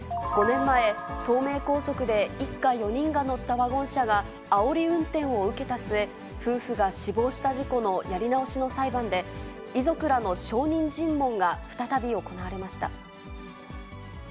５年前、東名高速で一家４人が乗ったワゴン車があおり運転を受けた末、夫婦が死亡した事故のやり直しの裁判で、遺族らの証人尋問が再び行われました。